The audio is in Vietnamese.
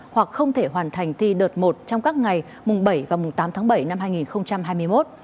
hoặc không thể hoàn thành thi đợt một trong các ngày mùng bảy và mùng tám tháng bảy năm hai nghìn hai mươi một